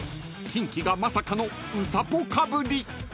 ［キンキがまさかのウサポかぶり］